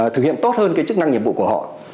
thực hiện tốt hơn cái chức năng nhiệm vụ của họ